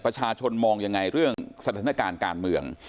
ประชาชนมองยังไงเรื่องสถานการณ์การเมือง